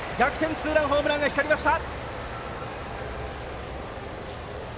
ツーランホームランが光りました！